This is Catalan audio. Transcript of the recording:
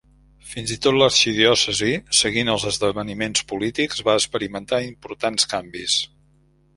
Fins i tot l'arxidiòcesi, seguint els esdeveniments polítics, va experimentar importants canvis.